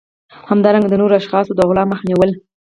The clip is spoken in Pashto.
همدارنګه د نورو اشخاصو د غلا مخه نیول